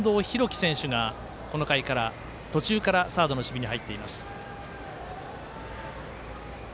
サードの近藤大輝選手がこの回途中からサードの守備に入っています。